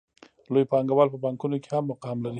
لوی پانګوال په بانکونو کې هم مقام لري